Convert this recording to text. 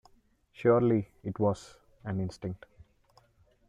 Surely it was an instinct.